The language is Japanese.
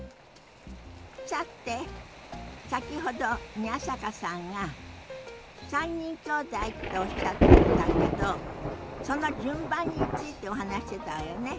さて先ほど宮坂さんが３人きょうだいっておっしゃってたけどその順番についてお話ししてたわよね。